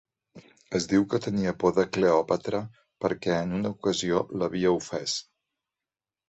Es diu que tenia por de Cleòpatra perquè en una ocasió l'havia ofès.